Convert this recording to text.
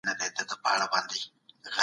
کوم ډول خوب د عصبي سیستم لپاره اړین دی؟